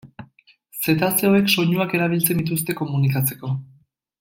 Zetazeoek soinuak erabiltzen dituzte komunikatzeko.